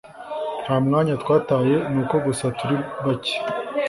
nta mwanya twataye ni uko gusa turi bake